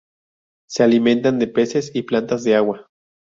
Se alimentan de peces y plantas de agua.